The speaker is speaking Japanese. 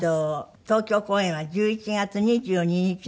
東京公演は１１月２２日の水曜日。